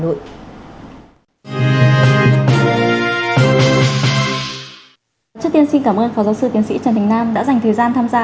trước tiên xin cảm ơn phó giáo sư tiến sĩ trần thành nam đã dành thời gian tham gia